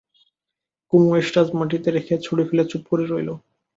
কুমু এসরাজ মাটিতে রেখে ছড়ি ফেলে চুপ করে রইল।